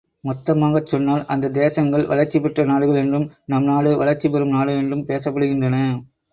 மொத்தமாகச் சொன்னால் அந்த தேசங்கள் வளர்ச்சிபெற்ற நாடுகள் என்றும், நம் நாடு வளர்ச்சி பெறும் நாடு என்றும் பேசப்படுகின்றன.